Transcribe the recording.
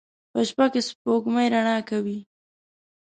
په شپه کې سپوږمۍ رڼا کوي